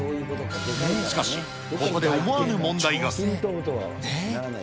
しかし、ここで思わぬ問題が。